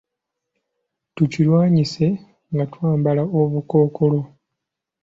Tukirwanyise nga twambala obukookolo .